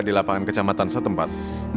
di lapangan kecamatan setempat